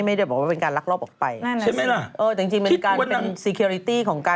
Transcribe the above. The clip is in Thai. แต่ที่เห็นบางคนก็ไม่โหลดนะคะ